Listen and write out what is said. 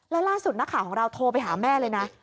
แล้วล่าสุดนักข่าวของเราโทรไปหาแม่เลยนะ